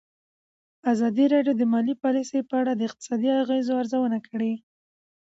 ازادي راډیو د مالي پالیسي په اړه د اقتصادي اغېزو ارزونه کړې.